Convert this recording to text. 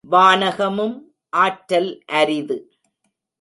வானகமும் ஆற்றல் அரிது